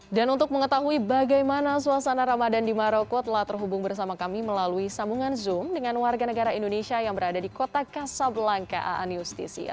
dan untuk mengetahui bagaimana suasana ramadan di maroko telah terhubung bersama kami melalui sambungan zoom dengan warga negara indonesia yang berada di kota casablanca aan justisia